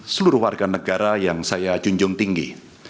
seluruh warga negara yang saya junjung tinggi